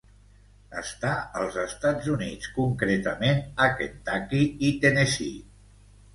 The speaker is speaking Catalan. Està als Estats Units, concretament a Kentucky i Tennessee.